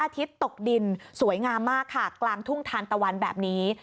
ทิศตกดินสวยงามมากค่ะกลางทุ่งทานตะวันแบบนี้